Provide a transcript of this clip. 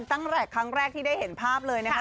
ตั้งแต่ครั้งแรกที่ได้เห็นภาพเลยนะคะ